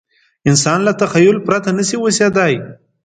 انسان له تخیل پرته نه شي اوسېدای.